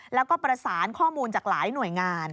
แล้วก็ประสานข้อมูลจากหลายหน่วยงาน